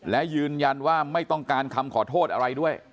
และยืนยันว่าไม่ต้องการคำขอโทษอะไรด้วย